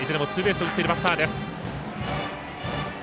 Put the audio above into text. いずれもツーベースを打っているバッターです。